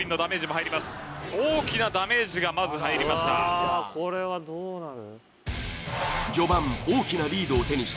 うわこれはどうなる。